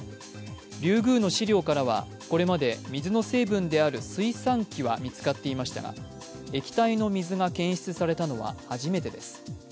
リュウグウの試料からはこれまで水の成分である水酸基は見つかっていましたが液体の水が検出されたのは初めてです。